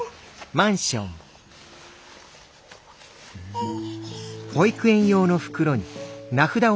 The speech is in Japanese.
うん。